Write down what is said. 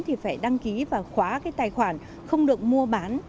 thì phải đăng ký và khóa cái tài khoản không được mua bán